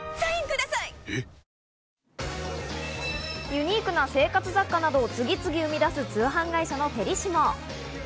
ユニークな生活雑貨などを次々と生み出す通販会社のフェリシモ。